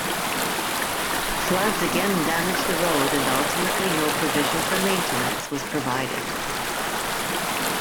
Floods again damaged the road, and ultimately, no provision for maintenance was provided.